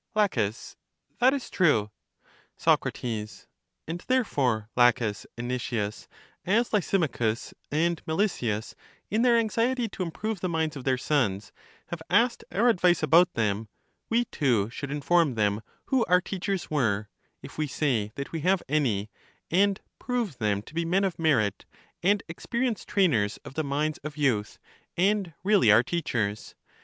La, That is true. Soc, And therefore, Laches and Nicias, as Lysi machus and Melesias, in their anxiety to improve the minds of their sons, have asked our advice about them, we too should inform them who our teachers were, if we say that we have any, and prove them to be men of merit and experienced trainers of the minds of youth and really our teachers.